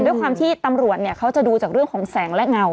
ด้วยความที่ตำรวจเนี่ยเขาจะดูจากเรื่องของแสงและเงา